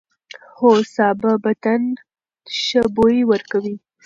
هو، سابه بدن ښه بوی ورکوي.